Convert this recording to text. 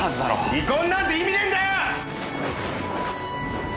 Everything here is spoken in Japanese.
離婚なんて意味ねえんだよ！